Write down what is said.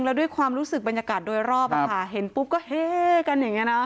แล้วด้วยความรู้สึกบรรยากาศโดยรอบเห็นปุ๊บก็เฮกันอย่างนี้นะ